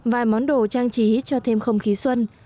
vài món đồ trang trí cho thêm không khí xuân